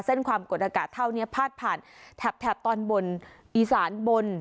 ความกดอากาศเท่านี้พาดผ่านแถบตอนบนอีสานบน